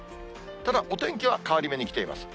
ただ、お天気は変わり目に来ています。